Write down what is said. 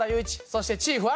そしてチーフは。